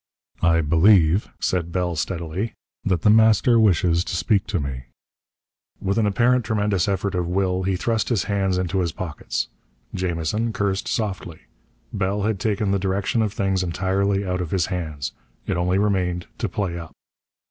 "I believe," said Bell steadily, "that The Master wishes to speak to me." With an apparent tremendous effort of will, he thrust his hands into his pockets. Jamison cursed softly. Bell had taken the direction of things entirely out of his hands. It only remained to play up.